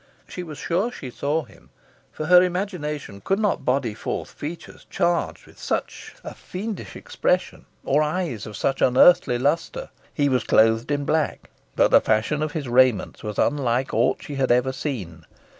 She was sure she saw him; for her imagination could not body forth features charged with such a fiendish expression, or eyes of such unearthly lustre. He was clothed in black, but the fashion of his raiments was unlike aught she had ever seen.